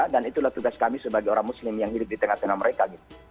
dan itulah tugas kami sebagai orang muslim yang hidup di tengah tengah mereka